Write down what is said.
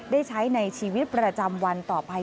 ได้ใช้ในชีวิตประจำวันต่อไป